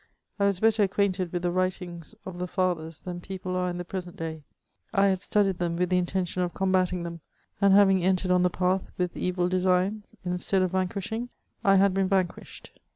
I was better acquainted with the writings of the Fathers than people are in the present day ; I had studied them with the intention of combating them, and having entered on the path, with evil designs, instead of vanquishing I had been vanquished.